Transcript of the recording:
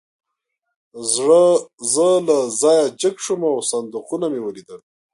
زه له ځایه جګ شوم او صندوقونه مې ولیدل